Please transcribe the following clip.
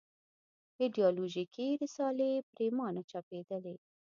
ایدیالوژیکې رسالې پرېمانه چاپېدلې.